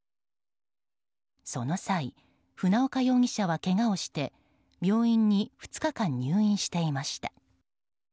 その際、船岡容疑者はけがをして病院に２日間入院していました。